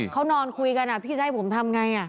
เขานอนคุยกันพี่จะให้ผมทำไง